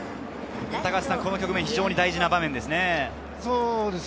大事な場面ですね。